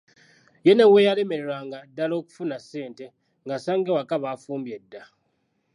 Ye ne bwe yalemererwanga ddala okufuna ssente ng'asanga ewaka baafumbye dda.